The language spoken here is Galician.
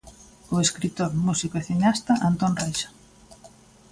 O escritor, músico e cineasta Antón Reixa.